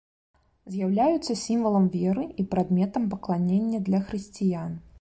З'яўляюцца сімвалам веры і прадметам пакланення для хрысціян.